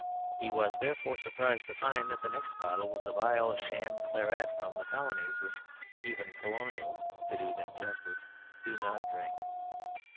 He was therefore surprised to find that the next bottle was a vile sham claret from the colonies, which even colonials (to do them justice) do not drink.